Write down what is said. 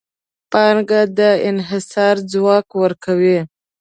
پانګه د انحصار ځواک ورکوي.